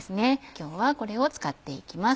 今日はこれを使って行きます。